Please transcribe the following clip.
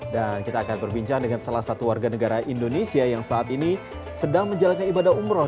dan kita akan berbincang dengan salah satu warga negara indonesia yang saat ini sedang menjalankan ibadah umroh